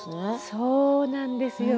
そうなんですよ。